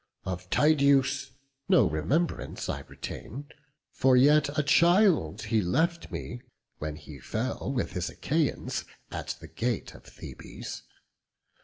Of Tydeus no remembrance I retain; For yet a child he left me, when he fell With his Achaians at the gate of Thebes.